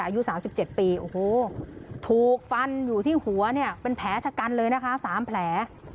อายุ๓๗ปีโอ้โหถูกฟันอยู่ที่หัวเนี่ยเป็นแผลชะกันเลยนะคะ๓แผล